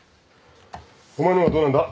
お前の方はどうなんだ？